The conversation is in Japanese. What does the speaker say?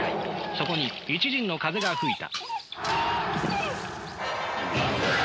そこに一陣の風が吹いた。